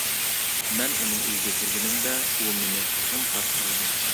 مەن ئۇنىڭ ئۆيىگە كىرگىنىمدە ئۇ مېنى قىزغىن قارشى ئالدى.